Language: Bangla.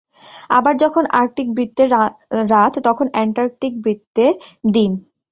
আবার যখন আর্কটিক বৃত্তে রাত তখন অ্যান্টার্কটিক বৃত্তে দিন।